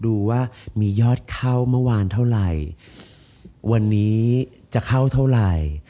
ดูว่ามียอดเข้าเมื่อวานเท่าไหร่วันนี้จะเข้าเท่าไหร่